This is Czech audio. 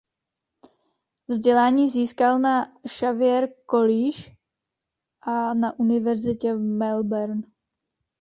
Vzdělání získal na Xavier College a na Univerzitě v Melbourne.